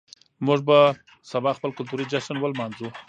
موږ به سبا خپل کلتوري جشن ولمانځو.